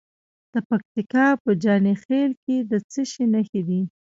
د پکتیکا په جاني خیل کې د څه شي نښې دي؟